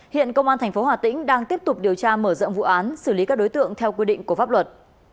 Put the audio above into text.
hiện công an tp hà tĩnh đang tiếp tục điều tra mở rộng vụ án xử lý các đối tượng theo quy định của pháp luật